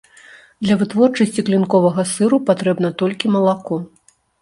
Для вытворчасці клінковага сыру патрэбна толькі малако.